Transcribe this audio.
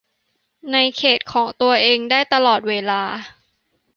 ในเขตของตัวเองได้ตลอดเวลา